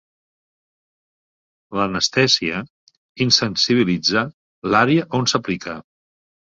L'anestèsia insensibilitza l'àrea on s'aplica.